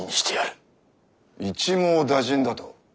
一網打尽だと？